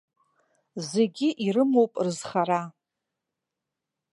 Зегьы ирымоуп рызхара.